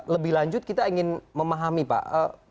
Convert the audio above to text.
lebih lanjut kita ingin memahami pak